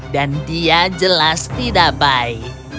dan dia jelas tidak baik